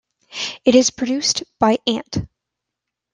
It is produced by Ant.